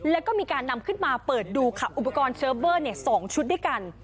แล้วก็มีการนำขึ้นมาเปิดดูค่ะอุปกรณ์เซิร์ฟเวอร์๒ชุดด้วยกัน